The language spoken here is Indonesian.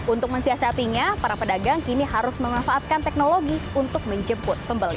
untuk mensiasatinya para pedagang kini harus memanfaatkan teknologi untuk menjemput pembeli